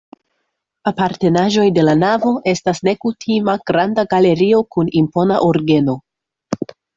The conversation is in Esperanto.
Apartenaĵo de la navo estas nekutima granda galerio kun impona orgeno.